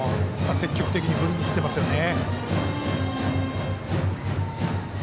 積極的に振りにきていますよね。